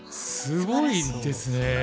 すごいですね。